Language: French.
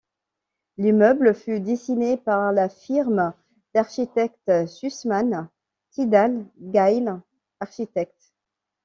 L'immeuble fut dessinée par la firme d'architecte Susman Tidale Gayle Architects.